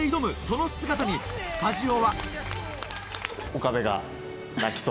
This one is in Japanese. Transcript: その姿にスタジオは岡部が。